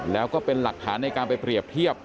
แล้วก็เป็นหลักฐานในการไปเปรียบเทียบ